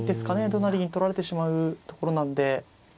同成銀取られてしまうところなんで。